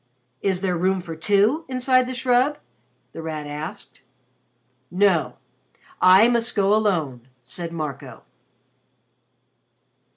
"Is there room for two inside the shrub?" The Rat asked. "No. I must go alone," said Marco.